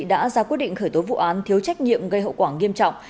đã ra quyết định khởi tố vụ án thiếu trách nhiệm gây hậu quả nghiêm trọng